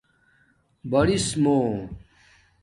برِسمُو